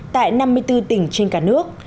tại năm mươi bốn tỉnh trên cả nước